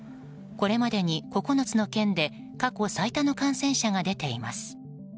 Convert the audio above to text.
これまでに９つの県で過去最多の感染者が出ています。